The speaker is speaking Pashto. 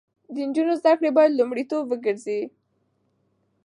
د نجونو زده کړې باید لومړیتوب وګرځي.